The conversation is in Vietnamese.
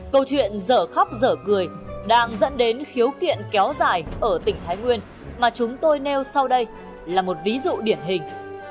câu chuyện dở khóc dở cười đang dẫn đến khiếu kiện kéo dài ở tỉnh thái nguyên mà chúng tôi nêu sau đây là một ví dụ điển hình